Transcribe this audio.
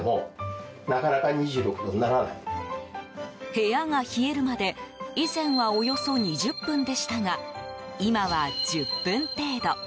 部屋が冷えるまで以前はおよそ２０分でしたが今は１０分程度。